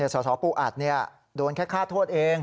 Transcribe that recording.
สสปูอัดโดนแค่ฆ่าโทษเอง